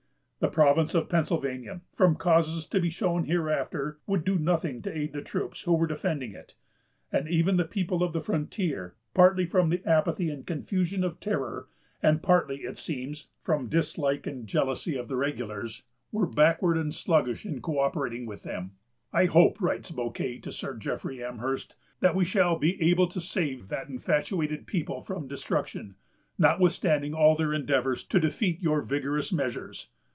The province of Pennsylvania, from causes to be shown hereafter, would do nothing to aid the troops who were defending it; and even the people of the frontier, partly from the apathy and confusion of terror, and partly, it seems, from dislike and jealousy of the regulars, were backward and sluggish in co operating with them. "I hope," writes Bouquet to Sir Jeffrey Amherst, "that we shall be able to save that infatuated people from destruction, notwithstanding all their endeavors to defeat your vigorous measures.